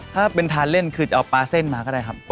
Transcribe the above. ถ้าเป็นทานเล่นคือจะเอาปลาเส้นมาก็ได้ครับ